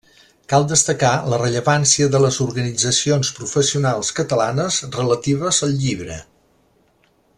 Cal destacar la rellevància de les organitzacions professionals catalanes relatives al llibre.